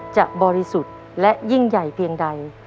บริสุทธิ์และยิ่งใหญ่เพียงใด